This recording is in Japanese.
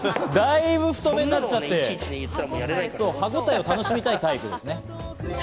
だいぶ太めになっちゃって、歯ごたえを楽しみたいタイプですね。